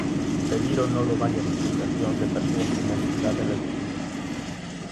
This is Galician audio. Pedíronnolo varias asociacións de persoas con mobilidade reducida.